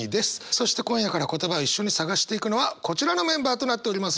そして今夜から言葉を一緒に探していくのはこちらのメンバーとなっております。